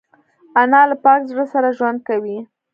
انا له پاک زړه سره ژوند کوي